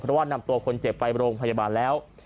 เพราะว่านำตัวคนเจ็บไปโรงพยาบาลแล้ว